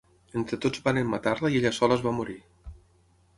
Entre tots varen matar-la i ella sola es va morir.